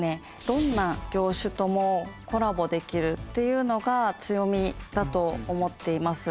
どんな業種ともコラボできるっていうのが強みだと思っています。